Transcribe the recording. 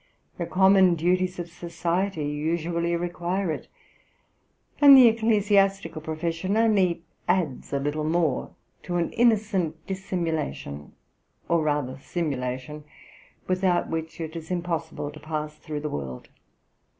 The common duties of society usually require it; and the ecclesiastical profession only adds a little more to an innocent dissimulation, or rather simulation, without which it is impossible to pass through the world.'